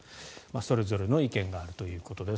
それぞれの意見があるということです。